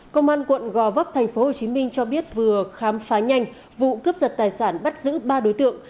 công an quận gò vấp tp hcm cho biết vừa khám phá nhanh vụ cướp giật tài sản bắt giữ ba đối tượng